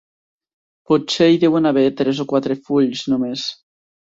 Potser hi deuen haver tres o quatre fulls, només.